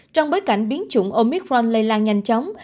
trong bối cảnh biến chủng omitron lây lan nhanh chóng